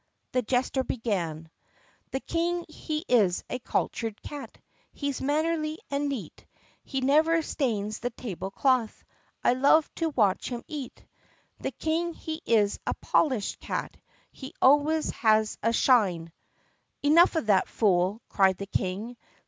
The jester began : "The King he is a cultured cat, He 's mannerly and neat, He never stains the table cloth. I love to watch him eat ! "The King he is a polished cat, He always has a shine —" "Enough of that, fool!" cried the King.